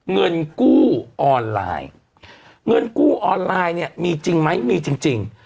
เงินกู้ออนไลน์เงินกู้ออนไลน์เนี่ยมีจริงไหมมีจริง